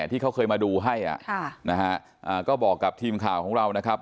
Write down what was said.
ที่เขาเคยมาดูให้ก็บอกกับทีมข่าวของเรานะครับ